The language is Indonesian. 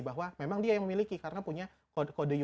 bahwa memang dia yang memiliki karena punya kode